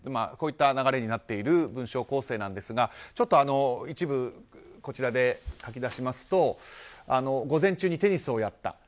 こういった流れになっている文章構成なんですがちょっと一部書き出しますと午前中にテニスをやった。